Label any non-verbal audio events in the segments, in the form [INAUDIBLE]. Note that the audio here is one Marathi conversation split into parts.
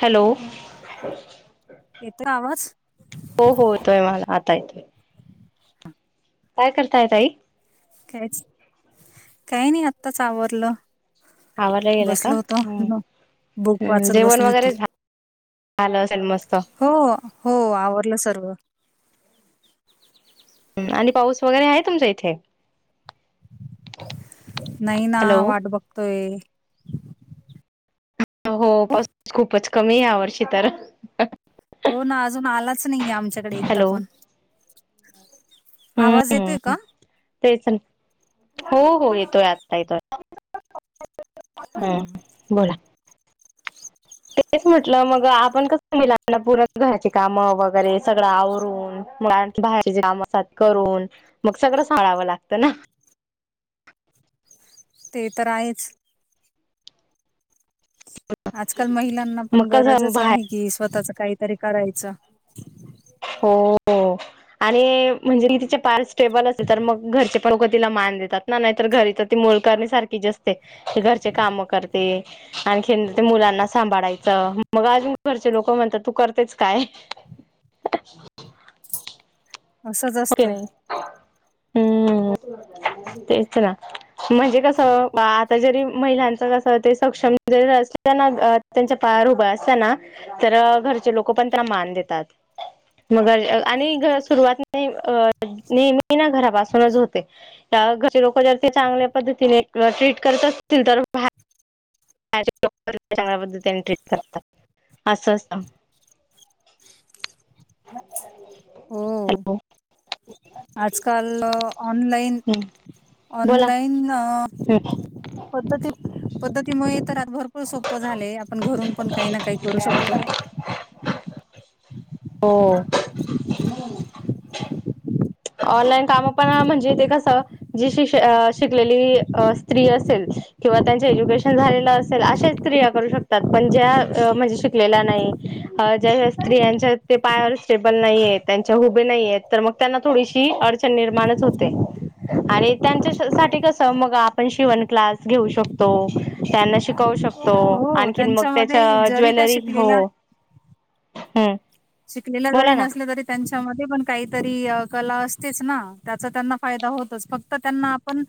हॅलो येत आवाज हो हो येतोय मला आता येतोय काय करताय तई काहीच काही नाही आत्ताच आवरलं आवरला गेला बसल का होत न बुक हम्म वाचत जेवण बसली होती वगैरे झालं असेल मस्त हो हो आवड सर्व आणि पाऊस वगैरे आहे तुमच्या इथे नाही ना हॅलो वाट बघतोय हो पाऊस खूपच कमी आहे ह्या वर्षी तर हो ना अजून आलाच नाहीये आमच्याकडे एकदा हॅलो पण आवाज हम्म येतोय का तेच हो हो येतोय आता येतोय हा हम्म बोला तेच म्हटलं मग आपण कसं मिला ना परण घराची कामं वगैरे सगळं आवरून मु बाहे कामात करून मग सगळं सांळावं लागत ना ठ ते तर आहेच आजकाल महिलांना मग पण कसं गरजच बाहेर आहे कि स्वतःच काहीतरी करायचं हो आणि म्हणजे ति पार स्टेबल असे तर मग घरच्या पण लोक तिला मान देतात ना नाही तर घरी तर ती मोलकरणी सारखीच असते ते घरचे काम करते आणखी ते मुलांना सांभाळायचं मग अजून घरचे लोक म्हणतात तू करतेच काय ठ्ठ असंच असत. हम्म. तेच ना म्हणजे कस आता जरी महिलांच कस ते सक्षम जरी अस. त्यांना त्यांचा पाया उभं असतना तर घरचे लोक पण त्यांना मान देतात मगर आणि सुरुवात म ना घरापासूनच होते घर लोक जर ते चांगल्या पद्धतीने ट्रीट करत असतील तर चांगल्या पद्धतीने ट्रीट करतात असं असत. हो हॅलो. आजकाल ऑनलाइन बोला ऑनलाइन. पद्धती पद्धतीमुळे तर आ भरपूर सोपं झालेय पण घरून पण काही ना काही करू शकतो. हो. ऑनलाईन काम पण म्हणजे ते कसं जी श शिकलेली स्त्री असेल. किंवा त्यांच एज्युकेशन झालेलं असेल अशाच स्त्रिया करू शकतात पण ज्या म्हणजे शिकलेल्या नाही. अ ज्या स्त्रियांच्या ते पायावर स्टेबल नाहीय त्यांच्या हुबे नाहीय तर मग त्यांना थोडीशी अडचण निर्माणच होते. आणि त्यांच्या साठी कस मग आपण शिवण क्लास घेऊ शकतो त्यांना शिकवू शकतो. तो हो आणखीन मग त्यांच्यामध्ये त्याच्या जरी त्या ज्वेलरी हो शिकलेला हम् शिकलेल्या जरी नसल तरी त्यांच्या पण काहीतरी कला असते ना त्याचा त्यांना फायदा होतोच फक्त त्यांना पण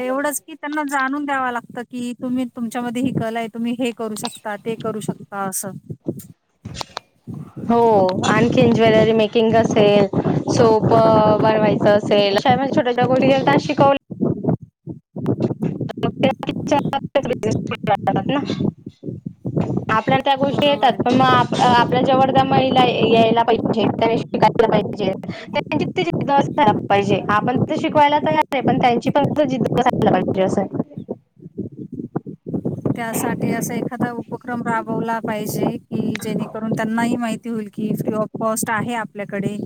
एवढंच की त्यांना जाणून द्याव लागत की तुम्ही तुमच्या मध्ये ही कला आहे तुम्ही हे करू शकता ते करू शकता असं [INAUDIBLE] हो आणखीन ज्वेलरी मेकिंग असेल सोप बनवायचं असेल. छोट्या गोष्टी शिकवला. आपल्या [UNINTELLIGIBLE] त्या गोष्टी बरोबर येतात आहे पण म. आपल आपल्या जवळद महिला यायला पाहिजेत शिकायला पाहिजे त्यांची जि अस [UNINTELLIGIBLE] आपण शिकवायला तयार आहे पण त्यांची पण जिद्. अस [UNINTELLIGIBLE] त्यासाठी असा एखादा उपक्रम राबवला पाहिजे, की जेणेकरून त्यांनाही माहिती. होईल की फ्री ऑफ कॉस्ट आहे आपल्याकडे.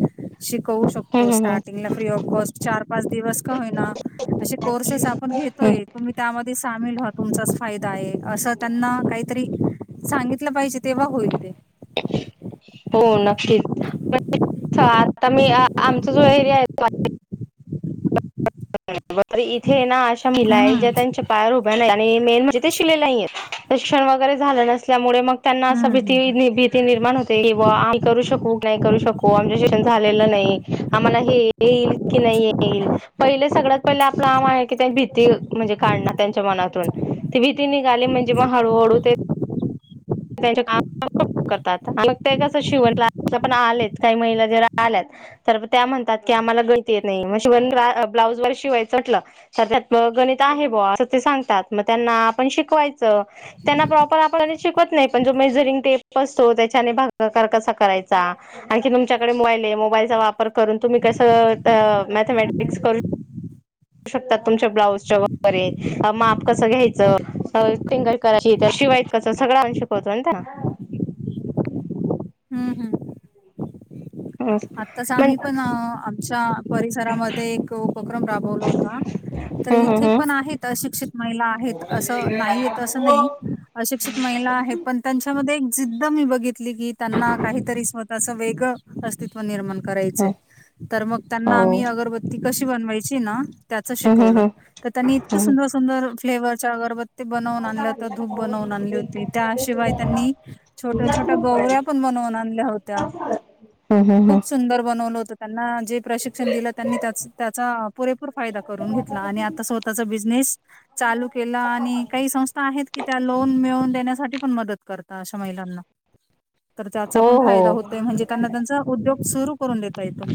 शिकवू शकतो हम्म, हम्म, हम्म. स्टार्टिंगला फ्री ऑफ कॉस्ट चार पाच दिवस का होईना असे कोर्सेस आपण. हम्म. घेतोय तुम्ही त्यामध्ये सामिल व्हा तुमचाच फायदा आहे, असं त्यांना काही. तरी सांगितलं पाहिजे तेव्हा होईल ते. [INAUDIBLE] हो नक्कीच पण आता मी आमचा जो एरिया आहे त इथे ना अशा महिला आहे हम्म ज्या त्यांच्या पायार उभ्या नाही आणि मेन म्हणजे ते शिलेला आहेत [UNINTELLIGIBLE] शिक्षण वगैरे झालं नसल्यामुळे मग त्यांना हम्म असं भीती हम्म. निीित [UNINTELLIGIBLE] निर्माण होते आम्हीू शकू नाही, करू शकू आमच शिक्षण झालेलं नाही आम्हाला हे. येईल की नाही येईल. पहिले सगळ्यात पहिले आपला आम आहे, की भीती म्हणजे काढणार त्यांच्या मनातून ती भीती निघाली. म्हणजे मग हळूहळू ते. त्यांच्या काम करतात मग ते कसं शिवण पण आलेच काही महिला जरा आल्यात. तर त्या म्हणतात क आम्हाला गळ येत नाही ब्लाज वर शिवाय च त्या. गणित आहे बते सांगत मग त्यांना आपण शिकवायच त्यांना प्रॉपरण [UNINTELLIGIBLE] नाही पण जो मेजरिंग टे असतो त्याच्याने भाकार कसा करायचा आणखी तुमच्याकडे मोबाईल. मोबालचा वापर करून तुम्ही कस मॅथमॅटिक्स कर. शकतात तुमच्या ब्लाउजच्या वगैरे माप कसं घ्यायचं फिंगल करायची. शिवायच कस सगळं शिकवतो. हम्म हम्म. आत्ताच आम्ही मग पण. आमच्या परिसरामध्ये एक उपक्रम राबवला होता. तर हम्म हम्म इथे पण हम्म आहेत अशिक्षित महिला आहेत, असं नाही येत असं नाही. अशिक्षित महिला आहे, पण त्यांच्यामध्ये एक जिद्द मी बघितली की त्यांना काहीतरी स्वतःच वेग. अस्त्व निर्माण करायच तर मग त्यांना आम हो. अगरबती कशी. इ [UNINTELLIGIBLE] ते बनवून आणलं होत धूप बनवून आणली होती, त्याशिवाय त्यांनी छोट्या छोट्या गवऱ्या पण बन. नोंद आणल्या होत्या. हा. खूप सुंदर बनवलं होत त्यांना. जे प्रशिक्षण दिलं त्यांनी त्याचा पुरेपूर फायदा करून घेतला, आणि आता स्वतःचा बिझनेस. चालू केलं आणि काही संस्था आहेत, की त्या लोन मिळून देण्यासाठी म कर मलाना तर त्याचा हो पण हो फायदा हो होत, म्हणजे त्यांना त्यां. उद्योग सुरू करून दता य तो.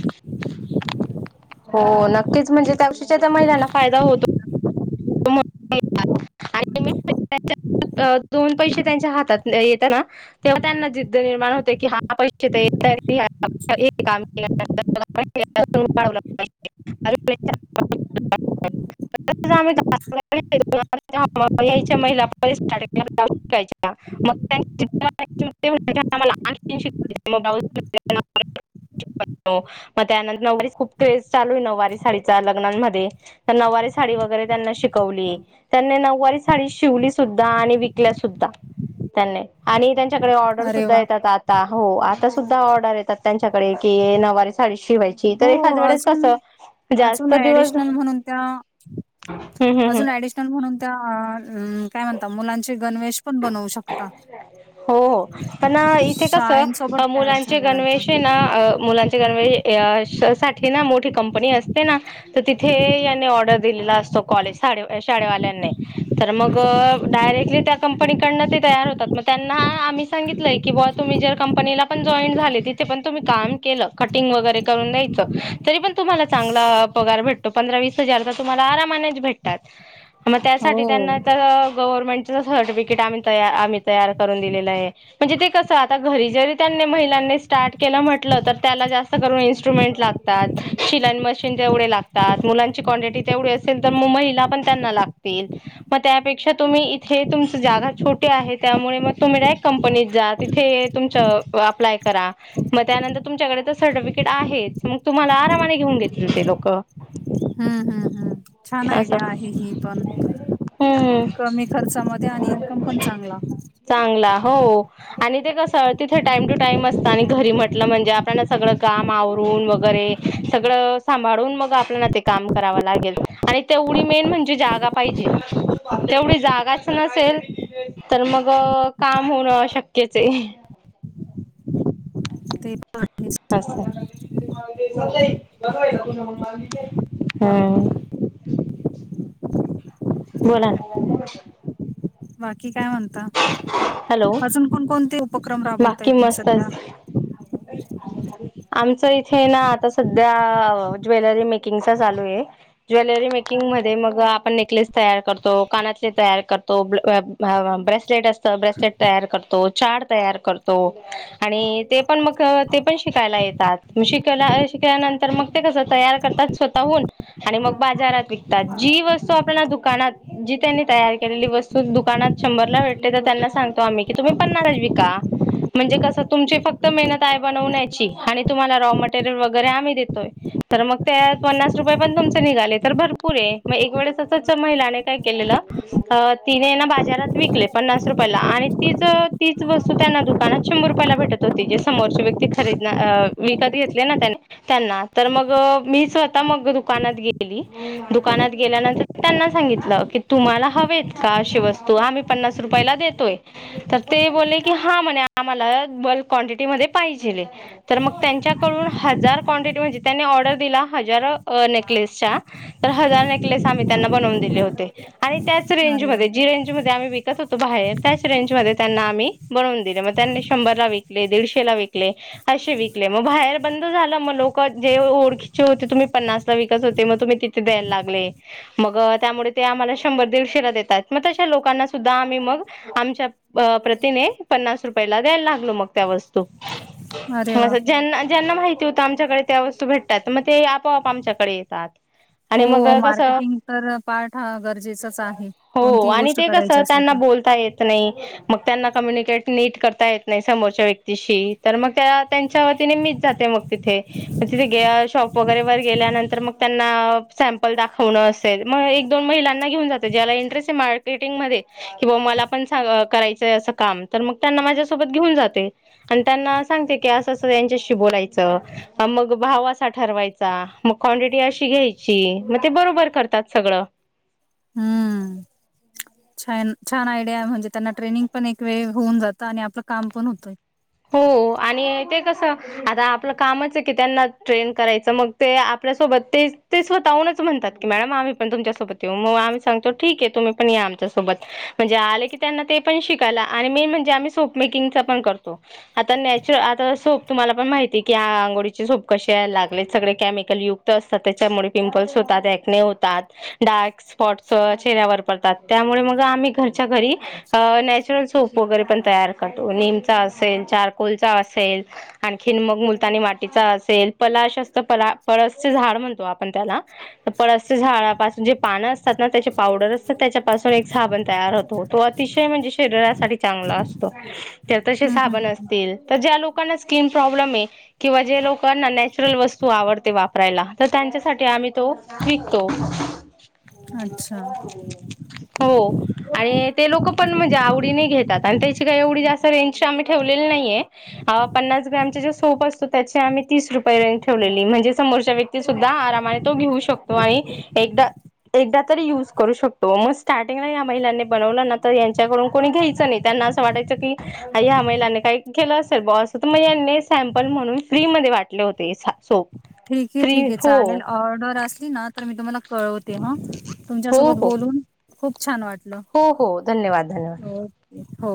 हो नक्कीच म्हणजे त्या गोष्टीचा महिलांना फायदा होतो. आणि मी [UNINTELLIGIBLE] दोन पैसे त्यांच्या हातात येतात, ना तेव्हा त्यांना जिद्द निर्माण होते की हा पैसे. काम केहि [UNINTELLIGIBLE] ्ही [UNINTELLIGIBLE] च्या महिलाार्ट के शच्या मग [UNINTELLIGIBLE] मला लान श म [UNINTELLIGIBLE] हो मग त्यानंतर नऊवारी साडीचा क्रेझ चालु आहे लग्नांमध्ये तर नऊवारी साडी वगैरे त्यांना शिकवुन शिकवली त्यांनी नऊवारी साडी शिवली सुद्धा आणि विकल्या सुद्धा त्यांनी आणि त्यांनी डे ऑर्डर अरे सुधा वा येतात आता हो आता सुद्धा ऑर्डर येतात त्यांच्याकडे की नऊवारी साडी. शिवायची तर हो एखाद वेळेस कस अजून जास्त अजून दिवस ऍडिशनल म्हणून त्या हम्म हम्म हम्म अजून अॅडिशनलडिशनल म्हणून त्या काय म्हणत मुलाचे गणवेश पण बनवू शकता हो पण इथे कस शाळेंसोबत टॅप मुलांचे गणवेश झाल्यानंतर मुलां साठी ना मोठी कंपनी असते ना तर तिथे याने ऑर्डर दिलेला अस. शाळेवाल्यांनी तर मग डायरेक्टली त्या कंपनीकडून तयार होतात मग त्यांना आम्ही सांगितलंय की बाबा तुम्ही जर कंपनीला पण जॉईन झाली तिथे पण तुम्ही काम कटिंग वगैरे करून द्यायचं तरीपण तुम्हाला चांगला पगार भेटतो पंधरा वीस हजार आरामानेच भेटतात मग हो त्यासाठी त्यांना गवर्नमेंटचे सर्टिफिकेट आणून आम्ही तयार करून दिलेल आहे म्हणजे ते कस आता घरी जरी त्यांनी महिलांनी स्टार्ट केलं. त्या जास्त इस्ट्रुमेंट लागतात शिलाई मशीन तेवढे लागतात मुलांची क्वांटिटी तेवढी असेल तर मग महिला पण त्यांना लागतील मग त्यापेक्षा तुम्ही इथे तुमचं. छोटी आहे त्यामुळ तुम्ही डायरेक्ट कंपनीत जा तिथं तुम्ही अप्लाय करा. नंतर तुमच्याकडे तर सर्टिफिकेट आहेच मग तुम्हाला आरामाने घेऊन देतील ते लोक हम्म हम्म हम्म छान असं आयडिया आहे हि पण हम्म. कमी खर्चामध्ये आणि इन्कम पण चांगला चांगला हो. आणि ते कसं तिथे टाईम टू टाइम असत आणि घरी म्हटलं म्हणजे आपल्याला सगळं काम आवरून वगैरे सगळं सांभाळून मग आपल्याला ते काम करावं लागेल आणि तेवढी मेन म्हणजे जागा पाहिजे तेवढी जागाच नसेल तर मग काम होणं अशक्यच आहे ते पण आहेच अस आहे हम्म अ बोला ना बाकी काय म्हणता हॅलो अजून कोण कोणते उपक्रम राबवताय तुम्ही सध्या आमच इथे ना आता सध्या ज्वेलरी मेकिंगचा चालू आहे ज्वेलरी मेकिंग म मआपण नेकलेस तयार करतो काना तयार करतो ह ब्रेसलेट तयार करतो चाड तयार करतो आणि ते पण मग शिकवून शंतर मग कस तयार करतात स्वतःून आणि मग बा जी वस्तु आपल्याला दुकानात जी त्यांनी तयार केलेली वस्तू दुकानात शंभरला भे तर त्यांना सांगतो आम्ही की तुम्ही पन्नासला विका म्हणजे कसं तुमची फक्त मेहनत आहे बनवण्याची आणि तुम्हाला रॉ मटेरियल वगैरे आम्ही देतोय तर मग त्या पन्नास रुपये पण तुमचे निघाले तर भरपूर आहे मग एक वेळेस त असं महिलाने काय केलेलं तिने ना बाजारात विकले पन्नास रुपयाला आणि तीच तीच वस्तू त्यांना दुकानात शंभर रुपयाला भेटत होती जे समोरच्या व्यक्ती खरेदी मी कधी घेतले ना त्यांना तर मग मी स्वतः मग दुकानात गेली दुकानात गेल्यानंतर त्यांना सांगितलं की तुम्हाला हवेत का अशी वस्तू आम्ही पन्नास रुपयाला देतोय तर ते बोलले की हा म्हणे आम्हाला बल्क क्वांटिटीमध्ये पाहिजे तर मग त्यांच्याकडून हजार क्वांटिटी म्हणजे त्यांनी ऑर्डर दिला हजार नेकलेसच्या तर हजार नेकलेस आम्ही त्यांना बनवून दिले होते आणि त्याच अरे रेंजमध्ये वा जी रेंज मध्ये आम्ही विकत होतो बाहेर त्याच रेंजमध्ये त्यांना आम्ही बनवून दिले शंभरदा विकले दिडशेला विकले असे विकले झा मग लोक जे ओळखीचे होते तुम्ही पन्नास ला विकत होते मग तुम्ही तिथे दयला लागले मग त्यामुळे ते आम्हाला शंभर दीडशेला देतात मग तश लोकांना सुद्धा आम्ही मग आमच्या प्रतीने पन्नास रुपयाला द्यायला लागलो मग त्या वस्तू अरे वा ह ज्यांना ज्यांना माहिती होती आमच्याकडे त्या वस्तू भेटतात मग ते आपोआप आमच्याकडे येतात आणि मग हो कसं मार्केटिंग तर पार्ट गरजेचच आहे हो कोणती आणि गोष्ट ते करायची कसं असेल त्यांना बोलता येत नाही मग त्यांना कम्युनिकेट नीट करता येत नाही समोरच्या व्यक्तीशी तर मग त्या त्यांच्या वतीने मीच जाते मग तिथे मग तिथे शॉप वगैरे वर गेल्यानंतर मग त्यांना सॅम्पल दाखवणं असेल मग एक दोन महिलांना घेऊन जाते ज्याला इंटरेस्ट आहे मार्ेटिंगमध्येध्ये की बा मला पण करायचंय अस काम तर मग त्यांना माझ्यासोबत घेऊन जाते आणि त्यांना स क अस अस त्यांच्याशी बोलायच मग भाव असा ठरवायचा मग क्वांटिटी अशी घ्यायची मग ते बरोबर करतात सगळं हम्म छन छान आयडिया म्हणजे त्यांना ट्रेनिंग पण एक वेळ होऊन जातं आणि आपलं काम पण होतंय हो आणि ते कस आता आपलं कामच आहे की त्यांना ट्रेन करायचं मग ते आपल्या सोब ते स्वतःहूनच म्हणताती मॅडम आम्ही पण तुमसोबत येऊग आम् सगतो ठीक आहे तुम्ही पण या आमच्या सोबत म्हणेजे आले की त्यांना तेपण शिकायला आणि मेन म्हणजे आम्ही सोपेकंगण करो आता नॅच आता सोप तुम्हाला पण माहिती की आघोळीचे सोप कसे या लागले सगळे युक्त असते त्याचामुळे पिंपल्स होतात त्या पतात डार्क स्पॉटस चेऱ्यावर त्यामुळे मग आम्ही घरच्या घरी नॅचरल सोप वगरे पण तयार करोतो असेल चारकोल चा असेल आणखी मग मुलतानी मातीचा असेल पलाश असत प परसच झाड म्हणतो आपण त्याला परस झाडपून जे पान असतात ना त्याचे पावडर त्याच्यापासून एक साबण तयार होतो तो अतिशय म्हणजे शरीरासाठी चांगला असतो तसे हम्म, हम्म, साबण हम्म, असतील तर ज्या लोक स्किन प्रॉब्लेम आहे किंवा जे लोकना नॅचरल वस्तू आवडते वापरायला तर त्यांच्या आ तो विकतो हम्म. अच्छा हो आणि ते लोक पण म्हणजे आवडी ने घेतात आणि त्याची काय एवढी जास्त त्या रेंजची आम्ही ठेवलेली नाहीये पन्नास ग्रॅम चा जो सोप असतो त्याच्या आम्ही तीस रुपये रेंज म्हणजे समोरच्या व्यक्ती सुद्धा आरामाने तो घेऊ शकतो आणि एकदा एकदा तरी युज करू शकतो मग स्टार्टिंगला या महिलांनी बनवलं ना तर त्यांच्याकडून कोणी घ्यायचं नाही त्यां साे च ह्या महिलानी काही केलं असेल ब अस तर मग सॅम्पल म्हणून फ्री मध्ये वाटले होते हे सा सो ठीक आहे ठीक आहे चालेल ऑर्डर असली ना तर मी तुम्हाला कळवते तेव्हा हो तुमच्यासोबत हो बोलून खूप छान वाटत. हो हो धन्यवाद धन्यवाद हो